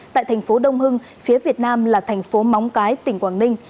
tại thành phố đông hưng phía việt nam là thành phố móng cái tỉnh quảng ninh